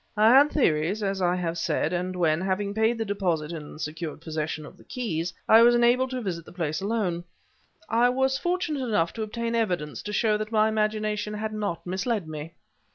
I had theories, as I have said, and when, having paid the deposit and secured possession of the keys, I was enabled to visit the place alone, I was fortunate enough to obtain evidence to show that my imagination had not misled me.